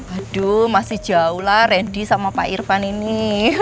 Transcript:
aduh masih jauh lah renny sama pak irvan ini